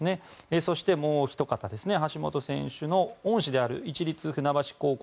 そして、もうおひと方橋本選手の恩師である市立船橋高校